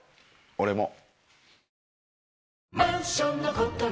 俺も。